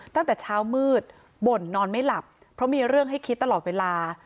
ตั้งแต่เช้ามืดบ่นนอนไม่หลับเพราะมีเรื่องให้คิดตลอดเวลา